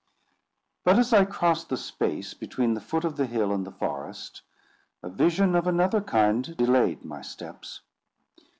But as I crossed the space between the foot of the hill and the forest, a vision of another kind delayed my steps.